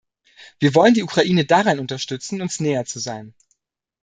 Wir wollen die Ukraine darin unterstützen, uns näher zu sein.